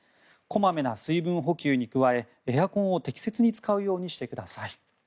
こまめな水分補給に加えエアコンを適切に使うようにしてください。